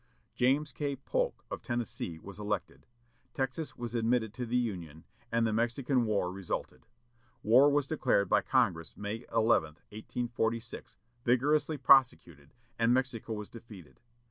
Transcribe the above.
James K. Polk of Tennessee was elected, Texas was admitted to the Union, and the Mexican War resulted. War was declared by Congress May 11, 1846, vigorously prosecuted, and Mexico was defeated.